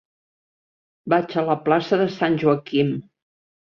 Vaig a la plaça de Sant Joaquim.